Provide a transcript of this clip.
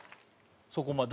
そこまで。